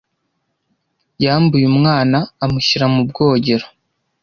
Yambuye umwana amushyira mu bwogero.